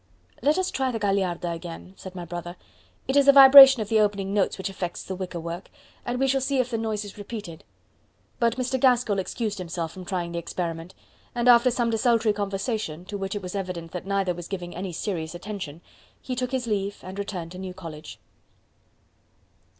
"Let us try the Gagliarda again," said my brother; "it is the vibration of the opening notes which affects the wicker work, and we shall see if the noise is repeated." But Mr. Gaskell excused himself from trying the experiment, and after some desultory conversation, to which it was evident that neither was giving any serious attention, he took his leave and returned to New College.